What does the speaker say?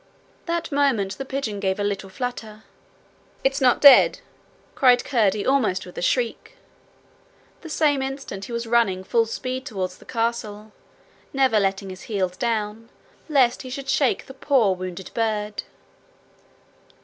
That moment the pigeon gave a little flutter. 'It's not dead!' cried Curdie, almost with a shriek. The same instant he was running full speed toward the castle, never letting his heels down, lest he should shake the poor, wounded bird.